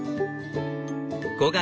５月。